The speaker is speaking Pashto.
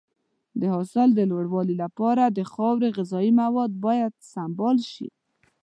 د حاصل د لوړوالي لپاره د خاورې غذایي مواد باید سمبال شي.